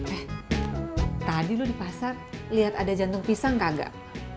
eh tadi lu di pasar lihat ada jantung pisang kagak